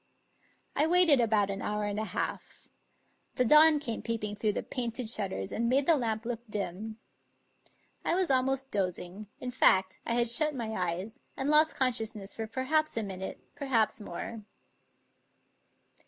I waited about an hour and a half. The dawn came peep ing through the painted shutters and made the lamp look dim. I was almost dozing — in fact, I had shut my eyes, and lost consciousness for perhaps a minute, perhaps more.